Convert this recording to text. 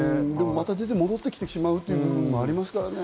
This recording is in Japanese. また出て、戻ってきてしまうということもありますからね。